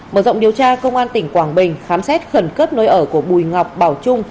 mở rộng điều tra công an tỉnh quảng bình khám xét khẩn cấp nơi ở của bùi ngọc bảo trung